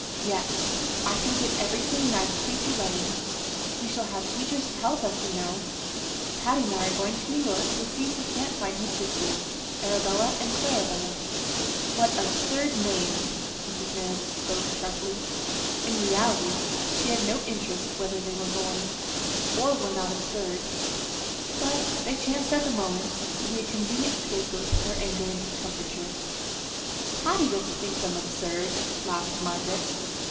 "Yes. After we get everything nicely to running we shall have teachers to help us, you know Patty and I are going to New York to see if we can't find her sisters, Arabella and Clarabella." "What absurd names!" Mrs. Merideth spoke sharply. In reality she had no interest whether they were, or were not absurd; but they chanced at the moment to be a convenient scapegoat for her anger and discomfiture. "Patty doesn't think them absurd," laughed Margaret.